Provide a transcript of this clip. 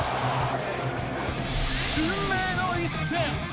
運命の一戦。